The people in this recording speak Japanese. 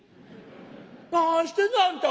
何してんのあんた。